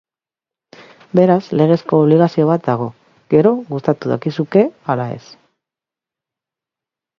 Beraz, legezko obligazio bat dago, gero, gustatu dakizuke ala ez.